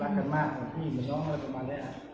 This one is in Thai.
รักกันมากคือที่หลังน้องคือพวกนี้